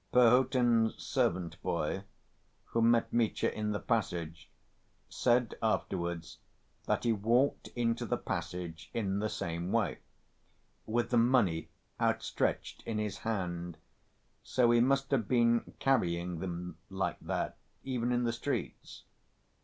Perhotin's servant‐boy, who met Mitya in the passage, said afterwards that he walked into the passage in the same way, with the money outstretched in his hand, so he must have been carrying them like that even in the streets.